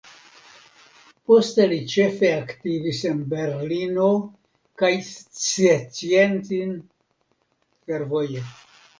Poste li ĉefe aktivis en Berlino kaj Szczecin fervoje.